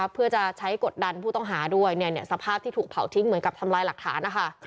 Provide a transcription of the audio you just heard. เพื่อจะใช้กดดันผู้ต้องหาด้วยสภาพที่ถูกเผาทิ้งเหมือนกับทำลายหลักฐานนะคะ